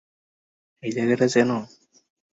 এই জায়গাটা চেনো?